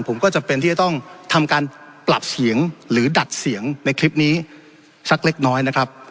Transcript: ผมก็จำเป็นที่จะต้องทำการปรับเสียงหรือดัดเสียงในคลิปนี้สักเล็กน้อยนะครับ